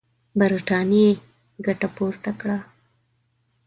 برټانیې ګټه پورته کړه.